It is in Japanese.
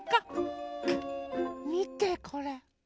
みてこれ。